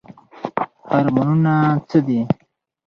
هورمونونه څه دي؟